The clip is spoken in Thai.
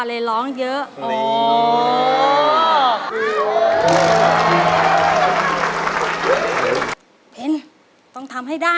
อันนี้ถือว่าง่ายไหมคะ